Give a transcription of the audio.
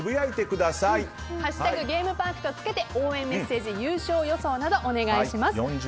「＃ゲームパーク」とつけて応援メッセージ優勝予想などお願いします。